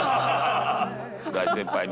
「大先輩に」